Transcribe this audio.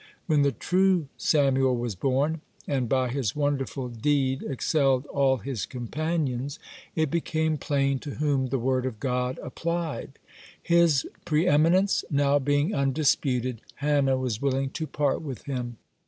When the true Samuel was born, and by his wonderful deed excelled all his companions, it became plain to whom the word of God applied. (17) His preeminence now being undisputed, Hannah was willing to part with him.